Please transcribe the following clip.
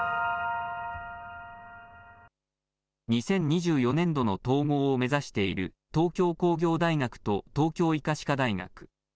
２０２４年度の統合を目指している東京工業大学と東京医科歯科大学。